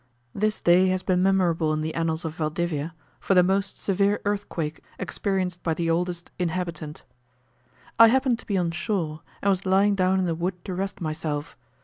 This day has been memorable in the annals of Valdivia, for the most severe earthquake experienced by the oldest inhabitant. I happened to be on shore, and was lying down in the wood to rest myself.